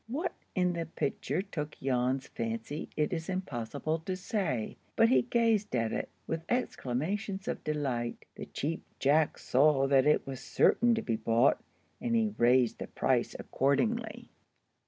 What in the picture took Jan's fancy it is impossible to say, but he gazed at it with exclamations of delight. The Cheap Jack saw that it was certain to be bought, and he raised the price accordingly.